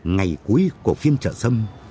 ngày cuối của phim trở sâm